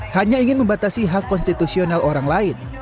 hanya ingin membatasi hak konstitusional orang lain